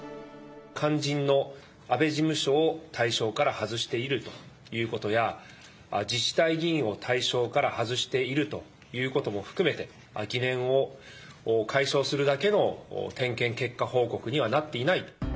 肝心の安倍事務所を対象から外しているということや、自治体議員を対象から外しているということも含めて、疑念を解消するだけの点検結果報告にはなっていない。